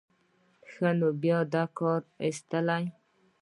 ښه نو بیا دې کار ایستلی.